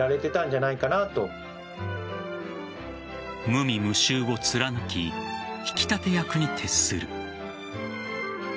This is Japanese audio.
無味無臭を貫き引き立て役に徹する。